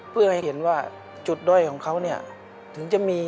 เพื่อให้เห็นว่าจุดด้อยของเขาเนี่ยถึงจะมี